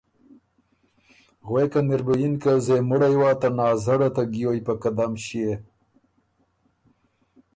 غوېکن اِر بُو یِن که ”زېمُړئ وا، ته نازړه ته ګیوئ په قدم ݭيې“